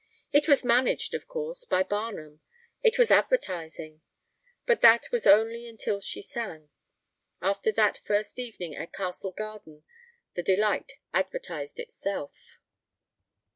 It was managed, of course, by Barnum. It was advertising. But that was only until she sang. After that first evening at Castle Garden the delight advertised itself.